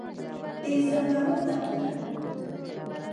د زمرو وطنه